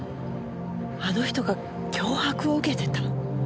あの人が脅迫を受けてた？